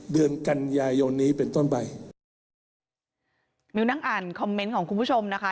เดือนกันยายนนี้เป็นต้นไปมิวนั่งอ่านคอมเมนต์ของคุณผู้ชมนะคะ